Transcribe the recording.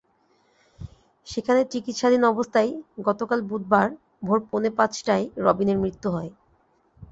সেখানে চিকিৎসাধীন অবস্থায় গতকাল বুধবার ভোর পৌনে পাঁচটায় রবিনের মৃত্যু হয়।